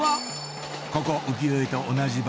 ここ浮世絵と同じ場所